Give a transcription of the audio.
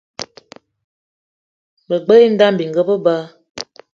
Me gbelé idam bininga be ba.